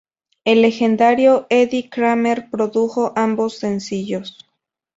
El legendario Eddie Kramer produjo ambos sencillos.